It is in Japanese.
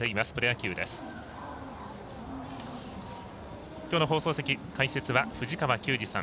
きょうの放送席解説は藤川球児さん